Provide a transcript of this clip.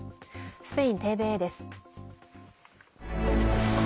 スペインＴＶＥです。